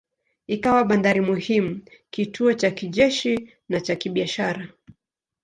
Ikawa bandari muhimu, kituo cha kijeshi na cha kibiashara.